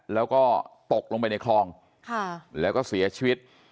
แล้วก็ตกลงไปในคลองแล้วก็เสียชีวิต